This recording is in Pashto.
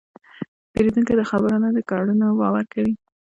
پیرودونکی د خبرو نه، د کړنو باور کوي.